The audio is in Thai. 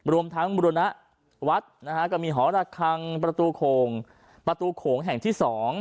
รวมทั้งบุรณวัดนะฮะก็มีหอระคังประตูโง่งประตูโขงแห่งที่๒